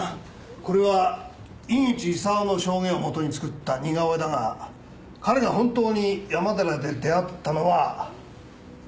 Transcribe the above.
これは井口勲の証言をもとに作った似顔絵だが彼が本当に山寺で出会ったのはこの女なのか？